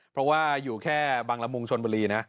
เพราะว่าอยู่แค่บังละมุงชนบุรีนะ